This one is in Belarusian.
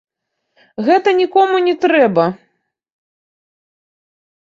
Гэта нікому не трэба.